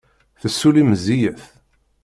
Tessulli meẓẓiyet.